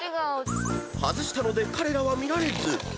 ［外したので彼らは見られず］